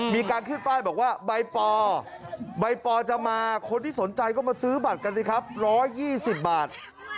มีการขึ้นป้ายบอกว่าใบปอใบปอจะมาคนที่สนใจก็มาซื้อบัตรกันสิครับ๑๒๐บาท